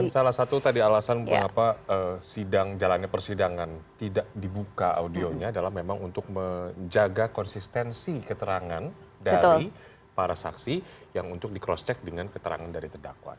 salah satu tadi alasan mengapa sidang jalannya persidangan tidak dibuka audionya adalah memang untuk menjaga konsistensi keterangan dari para saksi yang untuk di cross check dengan keterangan dari terdakwa